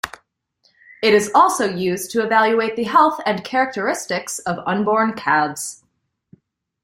It is also used to evaluate the health and characteristics of unborn calves.